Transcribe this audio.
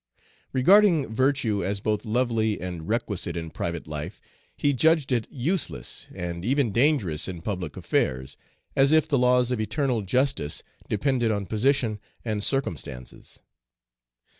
Regarding virtue as both lovely and requisite in private life, he judged it useless and even dangerous in public affairs, as if the laws of eternal justice depended on position and circumstances.